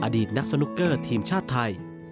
อดีตนักสนุกเกอร์ทีมชาติไทย